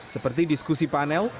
seperti diskusi panel